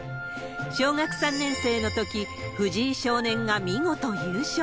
小学３年生のとき、藤井少年が見事優勝。